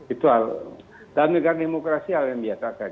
itu dalam negara demokrasi hal yang biasa saja